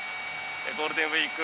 ゴールデンウィーク